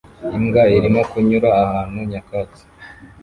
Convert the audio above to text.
Imbwa irimo kunyura ahantu nyakatsi